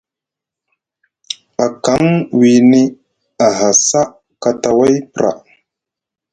A kaŋ wini aha saa kataway pra.